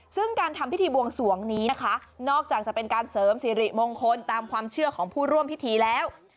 ซึ่งการทำพิธีบวงสวงนี้นะคะนอกจากจะเป็นการเสริมสิริมงคลตามความเชื่อของผู้ร่วมพิธีแล้ว